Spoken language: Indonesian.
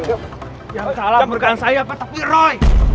yang salah bukan saya pak tapi roy